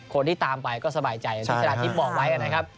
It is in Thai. คนที่ตามไปก็สบายใจอย่างที่ชนะทิพย์บอกไว้นะครับ